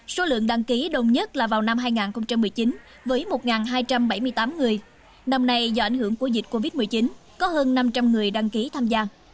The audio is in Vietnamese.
số lượng đăng ký đông nhất là vào năm hai nghìn một mươi chín với một hai trăm bảy mươi tám người năm nay do ảnh hưởng của dịch covid một mươi chín có hơn năm trăm linh người đăng ký tham gia